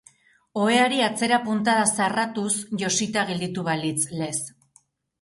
Oheari atzera-puntada zarratuz josita gelditu balitz lez.